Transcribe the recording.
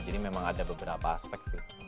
jadi memang ada beberapa aspek sih